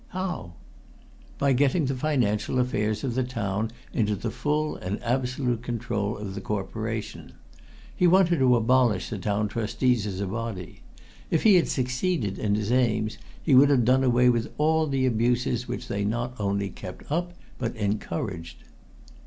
"How?" "By getting the financial affairs of the town into the full and absolute control of the Corporation. He wanted to abolish the Town Trustees as a body. If he had succeeded in his aims, he would have done away with all the abuses which they not only kept up but encouraged."